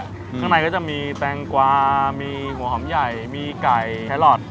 ข้างในก็จะมีแตงกวาหัวหอมใหญ่ไก่ไข่ลอด